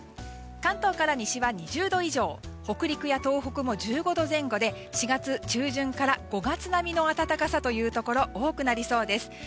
関東から西は２０度以上北陸や東北も１５度前後で４月中旬から５月並みの暖かさのところが多くなりそうです。